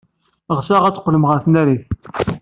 Ɣseɣ ad d-teqqlem ɣer tnarit.